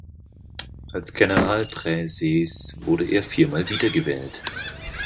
Als Generalpräses wurde er viermal wiedergewählt.